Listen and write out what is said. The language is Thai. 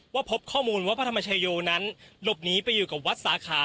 ว่าพบข้อมูลว่าพระธรรมชโยนั้นหลบหนีไปอยู่กับวัดสาขา